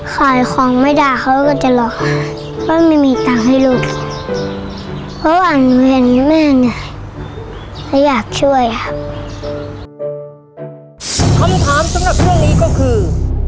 คำถามสำหรับเรื่องนี้ก็คือ